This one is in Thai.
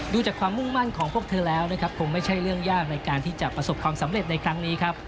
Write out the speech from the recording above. ดูจากความมุ่งมั่นของพวกเธอแล้วนะครับคงไม่ใช่เรื่องยากในการที่จะประสบความสำเร็จในครั้งนี้ครับ